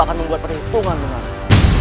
akan membuat perhitungan denganmu